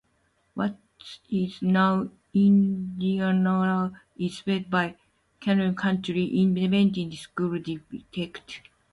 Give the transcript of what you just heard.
What is now Indianola is served by the Calhoun County Independent School District.